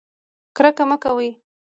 کرکه مه کوئ